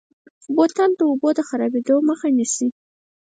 بوتل د اوبو د خرابېدو مخه نیسي.